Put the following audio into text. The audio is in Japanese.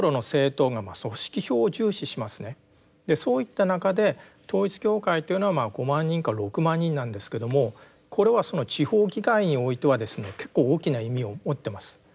そういった中で統一教会というのは５万人か６万人なんですけどもこれはその地方議会においてはですね結構大きな意味を持ってます。